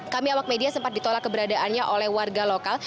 kami awak media sempat ditolak keberadaannya oleh warga lokal